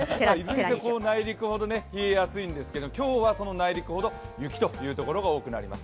この内陸ほど冷えやすいんですが今日は内陸ほど雪の所が多くなります。